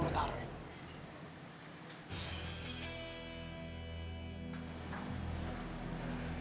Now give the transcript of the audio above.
aku mau taruh